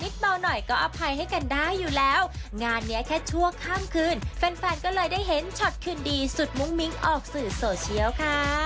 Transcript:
ส่วนหนึ่งเจ้าตัวมั่นใจเป็น